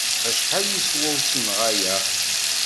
Acḥal yeswa usenɣay-a?